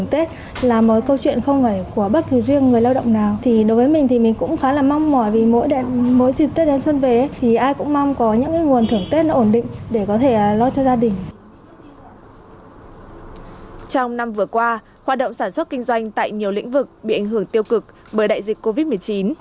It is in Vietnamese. trong năm vừa qua hoạt động sản xuất kinh doanh tại nhiều lĩnh vực bị ảnh hưởng tiêu cực bởi đại dịch covid một mươi chín